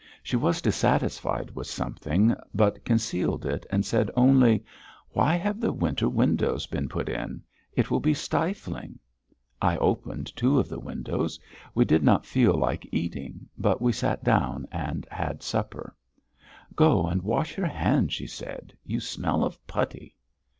She was dissatisfied with something, but concealed it and said only: "Why have the winter windows been put in? It will be stifling." I opened two of the windows. We did not feel like eating, but we sat down and had supper. "Go and wash your hands," she said. "You smell of putty."